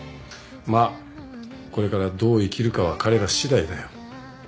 まあこれからどう生きるかは彼らしだいだよ。